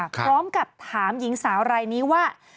พร้อมกับถามหญิงสาวรายนี้ว่า